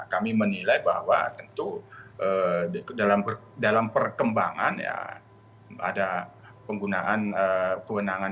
ketua ipw sugeng teguh santoso